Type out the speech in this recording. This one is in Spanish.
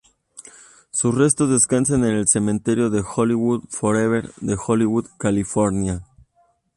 Sus restos descansan en el Cementerio Hollywood Forever de Hollywood, California.